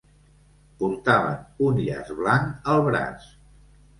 Portaven un llaç blanc al braç.